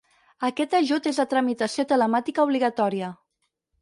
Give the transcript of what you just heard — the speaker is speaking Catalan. Aquest ajut és de tramitació telemàtica obligatòria.